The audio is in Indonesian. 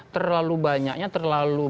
terlalu banyaknya terlalu